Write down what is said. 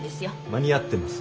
間に合ってます。